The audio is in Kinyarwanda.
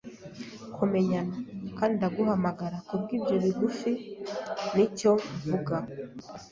kumenyana; kandi ndaguhamagara kubwibyo bigufi, nicyo mvuga